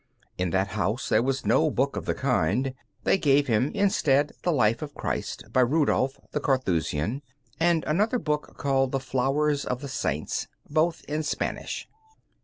In that house there was no book of the kind. They gave him, instead, "The Life of Christ," by Rudolph, the Carthusian, and another book called the "Flowers of the Saints," both in Spanish.